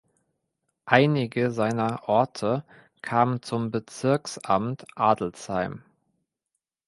Einige seiner Orte kamen zum Bezirksamt Adelsheim.